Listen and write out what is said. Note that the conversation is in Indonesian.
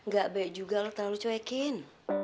gak baik juga terlalu cuekin